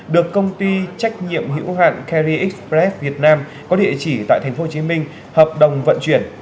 được công ty trách nhiệm hữu hạn carri express việt nam có địa chỉ tại tp hcm hợp đồng vận chuyển